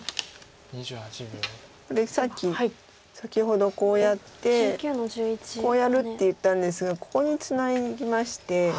さっき先ほどこうやってこうやるって言ったんですがここにツナぎまして。